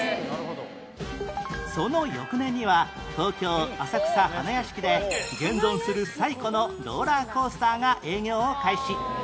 その翌年には東京浅草花やしきで現存する最古のローラーコースターが営業を開始